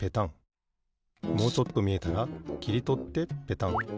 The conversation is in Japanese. もうちょっとみえたらきりとってペタン。